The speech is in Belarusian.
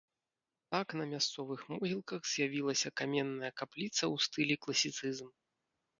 Так на мясцовых могілках з'явілася каменная капліца ў стылі класіцызм.